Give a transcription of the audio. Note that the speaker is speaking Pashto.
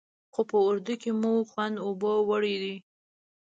خو په اردو کې مو خوند اوبو وړی دی.